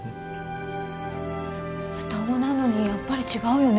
双子なのにやっぱり違うよね